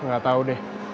gak tau deh